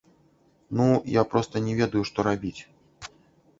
Ну, я проста не ведаю, што рабіць.